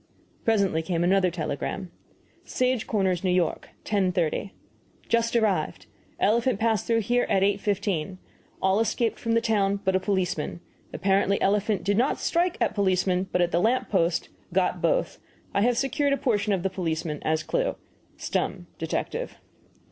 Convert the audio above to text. Presently came another telegram: SAGE CORNERS, N. Y., 10.30. Just arrived. Elephant passed through here at 8.15. All escaped from the town but a policeman. Apparently elephant did not strike at policeman, but at the lamp post. Got both. I have secured a portion of the policeman as clue. STUMM, Detective.